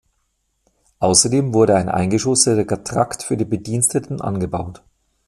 Außerdem wurde ein eingeschossiger Trakt für die Bediensteten angebaut.